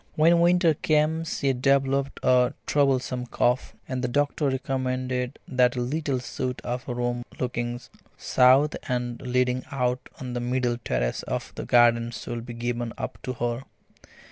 When winter came she developed a troublesome cough, and the doctor recommended that a little suite of rooms looking south and leading out on the middle terrace of the garden should be given up to her.